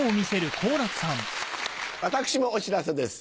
私もお知らせです